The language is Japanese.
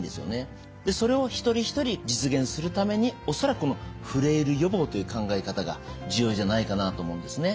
それを一人一人実現するために恐らくこのフレイル予防という考え方が重要じゃないかなと思うんですね。